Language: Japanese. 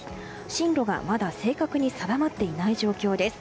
進路がまだ正確に定まっていない状況です。